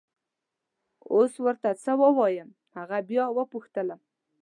اوس ور ته څه ووایم! هغه بیا وپوښتلم.